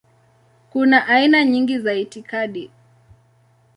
Kuna aina nyingi za itikadi.